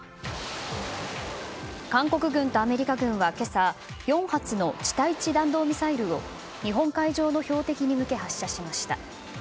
韓国軍とアメリカ軍は今朝４発の地対地弾道ミサイルを日本海の海上に向けて発射しました。